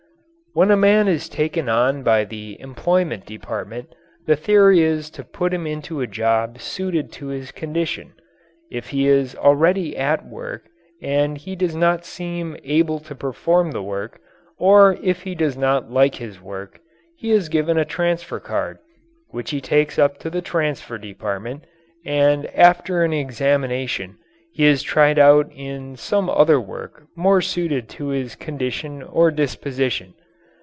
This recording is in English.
When a man is taken on by the Employment Department, the theory is to put him into a job suited to his condition. If he is already at work and he does not seem able to perform the work, or if he does not like his work, he is given a transfer card, which he takes up to the transfer department, and after an examination he is tried out in some other work more suited to his condition or disposition.